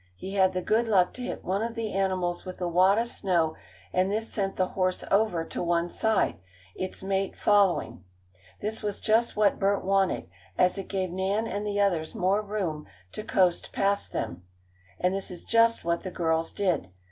He had the good luck to hit one of the animals with the wad of snow, and this sent the horse over to one side, its mate following. This was just what Bert wanted, as it gave Nan and the others more room to coast past them. And this is just what the girls did.